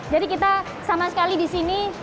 jadi kita sama sekali di sini